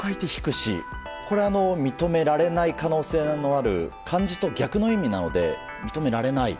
認められない可能性のある漢字と逆の意味なので認められない。